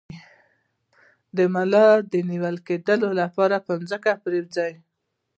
د ملا د نیول کیدو لپاره په ځمکه پریوځئ